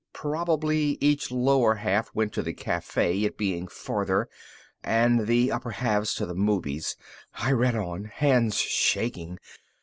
Probably each lower half went to the cafe, it being farther, and the upper halves to the movies. I read on, hands shaking.